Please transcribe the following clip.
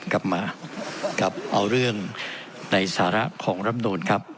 กลับมากลับเอาเรื่องในสาระของรำนูนครับ